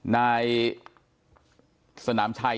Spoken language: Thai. นายสนามชัย